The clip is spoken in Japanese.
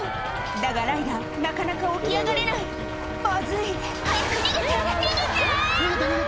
だがライダーなかなか起き上がれないまずい早く逃げて逃げて！